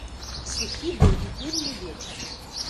Сухі быў і пыльны вечар.